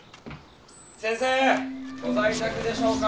先生ご在宅でしょうか？